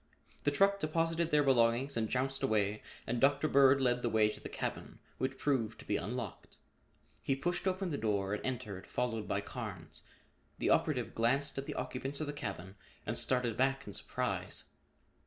The truck deposited their belongings and jounced away and Dr. Bird led the way to the cabin, which proved to be unlocked. He pushed open the door and entered, followed by Carnes. The operative glanced at the occupants of the cabin and started back in surprise.